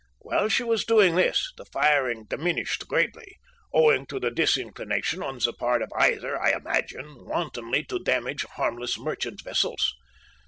While she was doing this the firing diminished greatly, owing to the disinclination on the part of either, I imagine, wantonly to damage harmless merchant vessels.